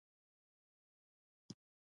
خپل قدرت ته خطر پېښاوه.